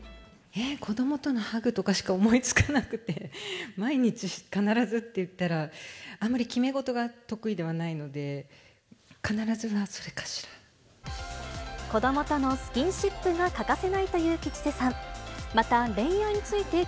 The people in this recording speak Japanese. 子どもとのハグとかしか思いつかなくて、毎日必ずっていったら、あまり決め事が得意ではない子どもとのスキンシップが欠かせないという吉瀬さん。